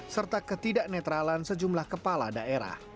serta ketidak netralan sejumlah kepala daerah